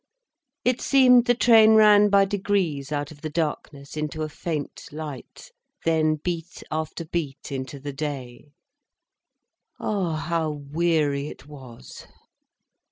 It seemed the train ran by degrees out of the darkness into a faint light, then beat after beat into the day. Ah, how weary it was!